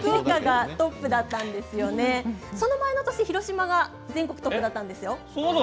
その前の年広島がトップだったんですよ。